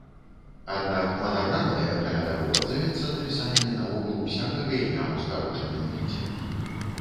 Аднак манаграмай, акрамя таго, завецца напісанне наогул усякага імя ў скарочаным відзе.